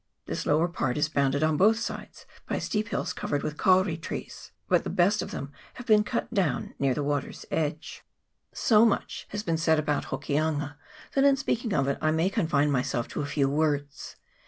This lower part is bounded on both sides by steep hills covered with kauri trees, but the best of them have been cut down near the water's edge. So much has been said about Hokianga, that in speaking of it I may confine myself to a few words.